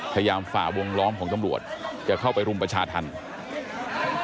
ฝ่าวงล้อมของตำรวจจะเข้าไปรุมประชาธรรม